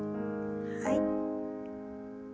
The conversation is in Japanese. はい。